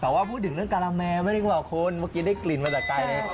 แต่ถ้าพูดเรื่องครามม่ายิ่งระบบคนพวกนี้ได้กลิ่นมาจากไก่เลย